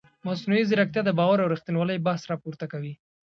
مصنوعي ځیرکتیا د باور او ریښتینولۍ بحث راپورته کوي.